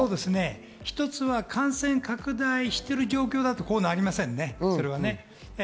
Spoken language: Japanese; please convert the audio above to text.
一つは、感染拡大してる状況だと、こうはなりませんね。